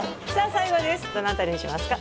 最後ですどの辺りにしますか？